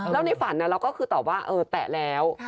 แล้วในฝันเราก็คือตอบว่าเออแตะแล้ว